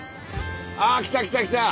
あっ来た来た来た！